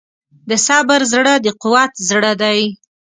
د صبر زړه د قوت زړه دی.